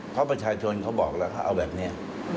เพราะประชาชนเขาบอกแล้วเขาเอาแบบนี้